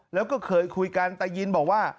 แล้วก็เคยคุยกันตายินบอกว่า